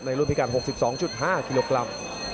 รุ่นพิการ๖๒๕กิโลกรัม